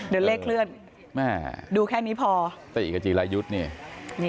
เดี๋ยวเลขเคลื่อนแม่ดูแค่นี้พอติกับจีรายุทธ์นี่